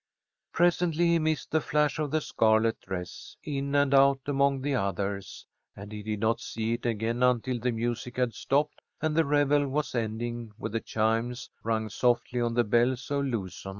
Presently he missed the flash of the scarlet dress, in and out among the others, and he did not see it again until the music had stopped and the revel was ending with the chimes, rung softly on the Bells of Luzon.